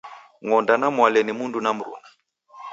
Ngoda na Mwale ni mundu na mruna.